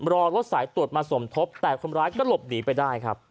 รอรถสายตรวจมาสมทบแต่คนร้ายก็หลบหนีไปได้ครับ